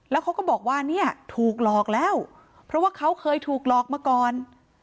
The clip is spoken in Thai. แล้วเขาก็บอกว่าเนี่ยถูกหลอกแล้วเพราะว่าเขาเคยถูกหลอกมาก่อน